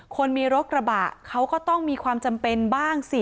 คนมีรถกระบะเขาก็ต้องมีความจำเป็นบ้างสิ